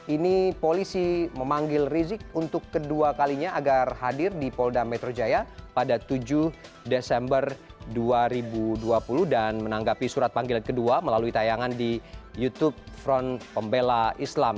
ini polisi memanggil rizik untuk kedua kalinya agar hadir di polda metro jaya pada tujuh desember dua ribu dua puluh dan menanggapi surat panggilan kedua melalui tayangan di youtube front pembela islam